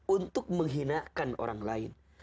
untuk menghinakan orang lain